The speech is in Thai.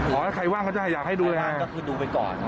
อ๋อแล้วใครว่างเขาจะอยากให้ดูอย่างนี้ฮะใครว่างก็คือดูไปก่อน